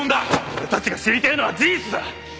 俺たちが知りてえのは事実だ！